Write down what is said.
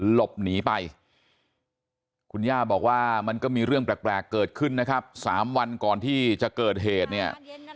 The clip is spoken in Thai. หลบหนีไปคุณย่าบอกว่ามันก็มีเรื่องแปลกเกิดขึ้นนะครับ๓วันก่อนที่จะเกิดเหตุเนี่ย